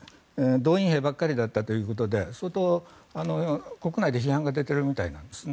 動員兵ばかりだったということで相当、国内で批判が出ているみたいなんですね。